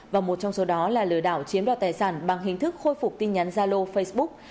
và một trong số đó là lừa đảo chiếm đoạt tài sản bằng hình thức khôi phục tin nhắn gia lô facebook